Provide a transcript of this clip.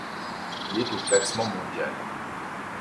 Il est au classement Mondial.